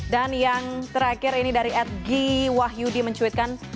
dan yang terakhir ini dari at gi wahyudi men tweetkan